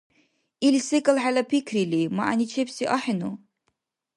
Ил секӀал хӀела пикрили, мягӀничебси ахӀену?